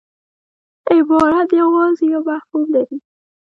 عبارت یوازي یو مفهوم لري.